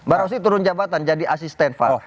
mbak rosy turun jabatan jadi asisten far